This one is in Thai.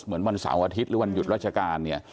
วันเสาร์อาทิตย์หรือวันหยุดราชการเนี่ย